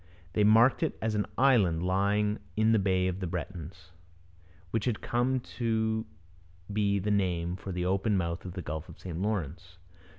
They marked it as an island lying in the 'Bay of the Bretons,' which had come to be the name for the open mouth of the Gulf of St Lawrence.